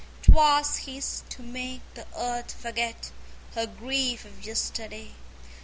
'Twas his to make the Earth forget Her grief of yesterday.